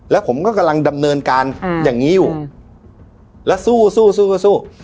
แล้วผมก็กำลังดำเนินการอืมอย่างงี้อยู่อืมแล้วสู้สู้สู้สู้